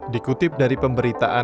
dikutip dari pemberitaan